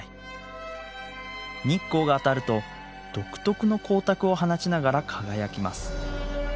日光が当たると独特の光沢を放ちながら輝きます。